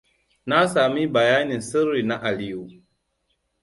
Na sami bayanin sirrin na Aliyua.